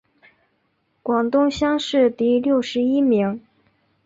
广东乡试第六十一名。